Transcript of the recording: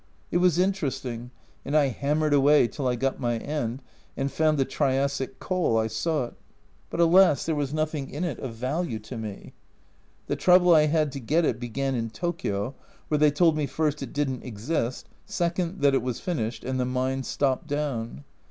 It was interesting and I hammered away till I got my end, and found the Triassic coal I sought, but, f alas, there was nothing in it of value to me. The trouble I had to get it began in Tokio, where they told me first it didn't exist, second, that it was finished and the mines stopped down.